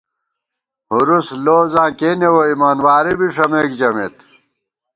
ہُرُوس لوزاں کېنے ووئیمان واری بی ݭَمېک ژَمېت